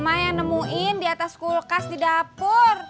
emang yang nemuin diatas kulkas di dapur